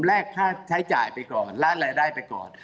ค่าใช้จ่ายไปก่อนละรายได้ไปก่อน